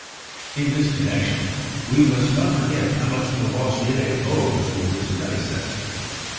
In this connection, we must not forget how much Lavoisier owed to his predecessors.